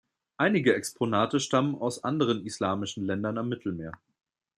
Einige Exponate stammen auch aus anderen islamischen Ländern am Mittelmeer.